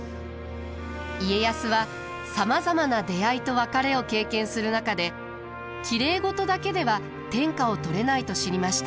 家康はさまざまな出会いと別れを経験する中できれい事だけでは天下を取れないと知りました。